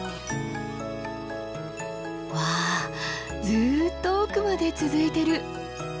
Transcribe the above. うわずっと奥まで続いてる。